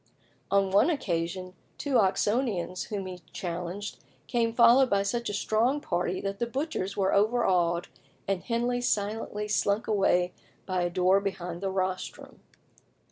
On one occasion two Oxonians whom he challenged came followed by such a strong party that the butchers were overawed, and Henley silently slunk away by a door behind the rostrum.